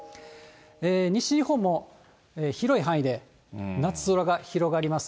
西日本も広い範囲で夏空が広がります。